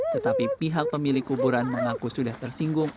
tetapi pihak pemilik kuburan mengaku sudah tersinggung